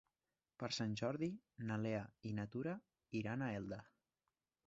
Per Sant Jordi na Lea i na Tura iran a Elda.